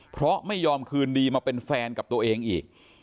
เพราะไม่ยอมคืนดีมาเป็นแฟนกับตัวเองอีก